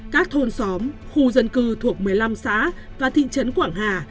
các thôn xóm khu dân cư thuộc một mươi năm xã và thị trấn quảng hà